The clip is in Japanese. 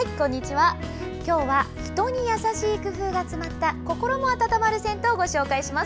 今日は人にやさしい工夫が詰まった心温まる銭湯をご紹介します。